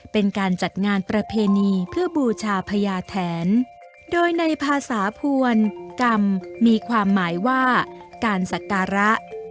เป็นการจัดงานประเพณีเพื่อบูชาพญาแทนโดยในภาษาพวนกรรมมีความหมายว่าการสักการะ